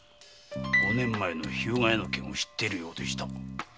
五年前の日向屋の件を知っているようでした。